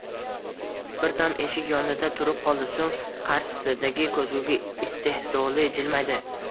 Bir dam eshik yonida turib qoldi so`ng qarshisidagi ko`zguga istehzoli jilmaydi